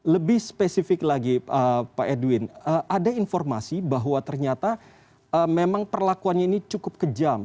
lebih spesifik lagi pak edwin ada informasi bahwa ternyata memang perlakuannya ini cukup kejam